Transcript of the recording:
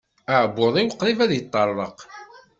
Aɛebbuḍ-iw qrib ad yeṭṭerḍeq.